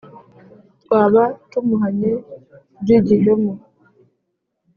Twaba tumuhanye by’igihemu.